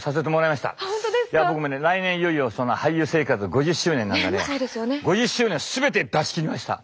いや僕もね来年いよいよ俳優生活５０周年なのでね５０周年全て出し切りました。